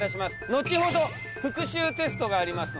後ほど復習テストがありますので。